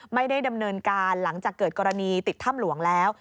ไม่ได้ดำเนินการหลังจากเกิดกรณีติดถ้ำหลวงแล้ว